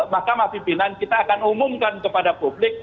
makam api bilan kita akan umumkan kepada publik